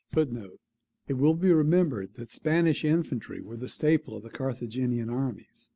[It will be remembered that Spanish infantry were the staple of the Carthaginian armies.